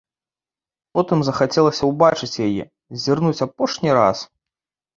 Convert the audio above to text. Потым захацелася ўбачыць яе, зірнуць апошні раз.